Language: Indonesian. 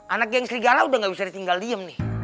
anak yang serigala udah gak bisa ditinggal diem nih